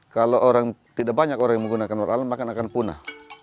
kalau tidak banyak orang yang menggunakan warna alam maka akan punah